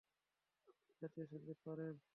আপনি জাতীয় সংগীত পারেন?